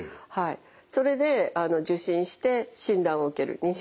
それで受診して妊娠の診断を受ける。